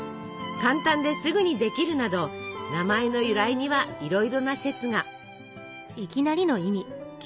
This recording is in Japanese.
簡単ですぐにできるなど名前の由来にはいろいろな説が。